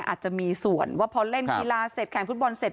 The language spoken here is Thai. อาจจะมีส่วนว่าพอเล่นกีฬาเสร็จแข่งฟุตบอลเสร็จ